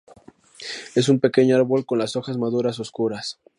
Es un pequeño árbol con las hojas maduras oscuras.